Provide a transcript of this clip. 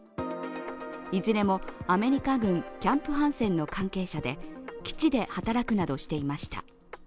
いずれもアメリカ軍キャンプ・ハンセンの関係者で、基地で働くなどしていました。